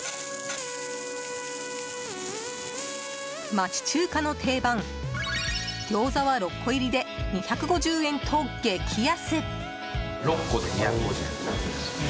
町中華の定番、ギョーザは６個入りで２５０円と激安。